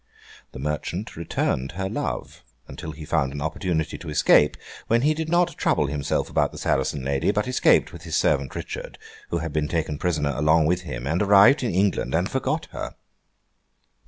The merchant returned her love, until he found an opportunity to escape, when he did not trouble himself about the Saracen lady, but escaped with his servant Richard, who had been taken prisoner along with him, and arrived in England and forgot her.